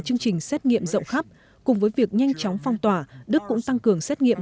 chương trình xét nghiệm rộng khắp cùng với việc nhanh chóng phong tỏa đức cũng tăng cường xét nghiệm